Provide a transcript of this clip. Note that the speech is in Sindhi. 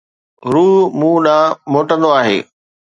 روح مون ڏانهن موٽندو آهي.